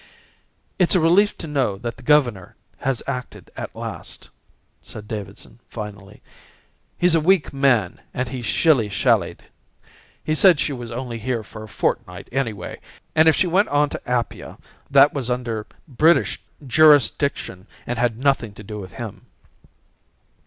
"It's a relief to know that the governor has acted at last," said Davidson finally. "He's a weak man and he shilly shallied. He said she was only here for a fortnight anyway, and if she went on to Apia that was under British jurisdiction and had nothing to do with him."